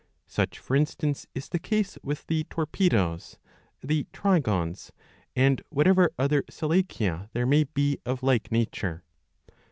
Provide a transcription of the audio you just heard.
Such for instance is the case with the Torpedos,' the Trygons,* and whatever other Selachia there may be of like nature.